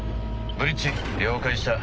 ブリッジ了解した。